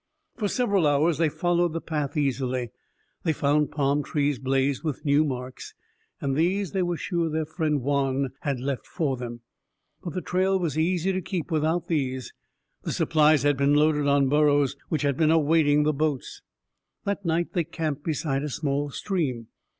For several hours they followed the path easily. They found palm trees blazed with new marks, and these they were sure their friend Juan had left for them. But the trail was easy to keep without these. The supplies had been loaded on burros, which had been awaiting the boats. That night, they camped beside a small stream.